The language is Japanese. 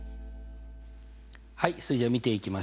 はいそれじゃ見ていきましょう。